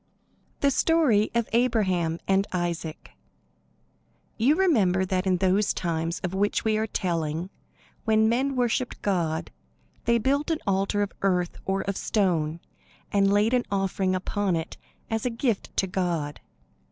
THE STORY OF ABRAHAM AND ISAAC You remember that in those times of which we are telling, when men worshipped God, they built an altar of earth or of stone, and laid an offering upon it as a gift to God.